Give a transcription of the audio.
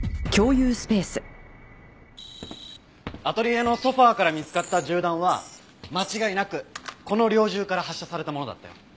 アトリエのソファから見つかった銃弾は間違いなくこの猟銃から発射されたものだったよ。